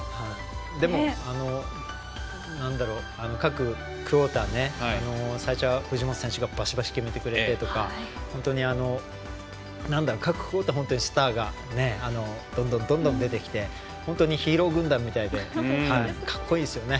でも各クオーター最初は藤本選手がバシバシ決めてくれて各クオータースターがどんどん出てきて本当にヒーロー軍団みたいでかっこいいんですよね。